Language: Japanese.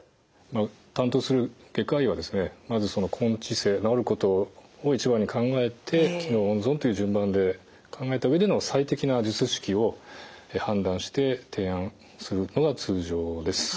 担当する外科医はまず根治性治ることを一番に考えて機能を温存という順番で考えた上での最適な術式を判断して提案するのが通常です。